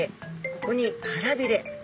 ここにはらびれ。